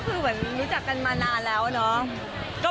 คือเหมือนรู้จักกันมานานแล้วเนาะ